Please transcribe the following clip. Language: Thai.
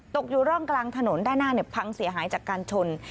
ตกอยู่ร่องกลางถนนด้านหน้าพังเสียหายจากการชน